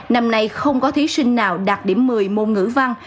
năm nay không có thí sinh nào đạt điểm một mươi môn ngữ văn